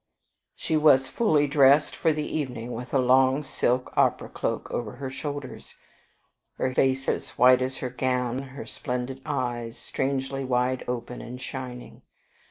She was fully dressed for the evening, with a long silk opera cloak over her shoulders, her face as white as her gown, her splendid eyes strangely wide open and shining.